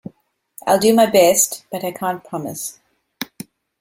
I'll do my best, but I can't promise.